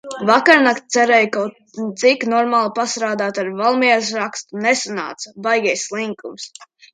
Vakarnakt cerēju kaut cik normāli pastrādāt ar Valmieras rakstu. Nesanāca. Baigais slinkums.